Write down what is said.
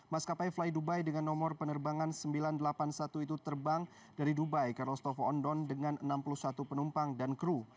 maskapai fly dubai dengan nomor penerbangan sembilan ratus delapan puluh satu itu terbang dari dubai ke rostofo on don dengan enam puluh satu penumpang dan kru